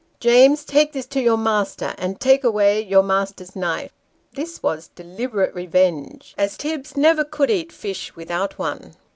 " James, take this to your master, and take away your master's knife." This was deliberate revenge, as Tibbs never could eat fish without one.